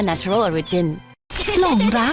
นี่เลยละ